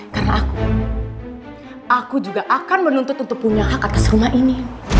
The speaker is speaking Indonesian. karena aku aku juga akan menuntut untuk punya hak atas rumah ini